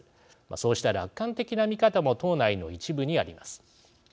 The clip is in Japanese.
そうした楽観的な見方も党内の一部にあります。